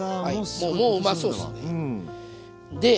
もううまそうですね。